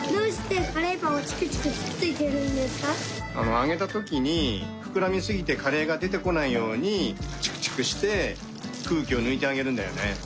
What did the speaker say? あげたときにふくらみすぎてカレーがでてこないようにチクチクしてくうきをぬいてあげるんだよね。